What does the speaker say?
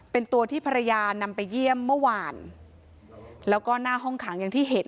เป็นตัวที่ภรรยานำไปเยี่ยมเมื่อวานแล้วก็หน้าห้องขังอย่างที่เห็น